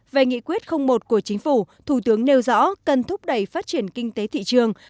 về nghị quyết một của chính phủ thủ tướng nêu rõ cần thúc đẩy phát triển kinh tế thị trường